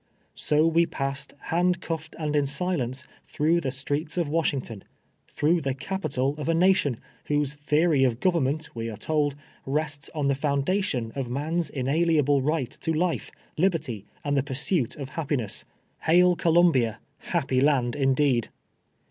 So we passed, hand cuffed and in silence, through the streets of Washington — through the Capital of a na tion, whose theory of government, we are told, rests on the foundation of man's inalienahle right to life, LIBERTY, and the pursuit of hax)i)iness ! Hail ! Co lumhia, liappy land, indeed